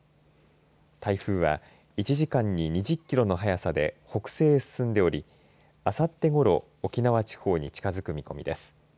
台風は１時間に２０キロの速さで北西へ進んでおりあさってごろ沖縄地方に近づく見込みです。